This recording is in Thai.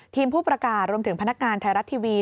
ผู้ประกาศรวมถึงพนักงานไทยรัฐทีวี